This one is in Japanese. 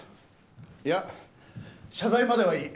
いや謝罪まではいい。